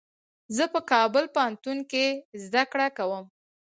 زه په کابل پوهنتون کي زده کړه کوم.